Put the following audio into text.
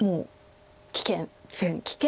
危険。